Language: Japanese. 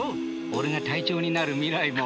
俺が隊長になる未来も。